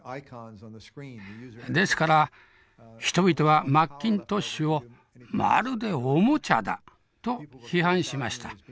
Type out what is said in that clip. ですから人々はマッキントッシュを「まるでおもちゃだ」と批判しました。